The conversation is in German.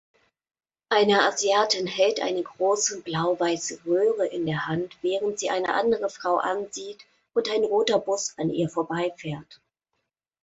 Eine Asiatin hält eine große blau-weiße Röhre in der Hand, während sie eine andere Frau ansieht, und ein roter Bus an ihr vorbeifährt.